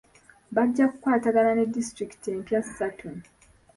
Bajja kukwatagana ne disitulikiti empya ssatu.